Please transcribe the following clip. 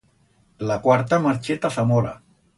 La cuarta marché ta Zamora.